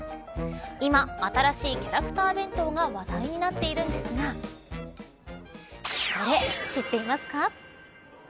今、新しいキャラクター弁当が話題になっているんですがこれ、知っていますか。